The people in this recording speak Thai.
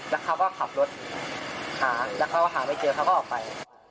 แล้วเขาก็ขับรถหาแล้วเขาก็หาไม่เจอเขาก็ออกไป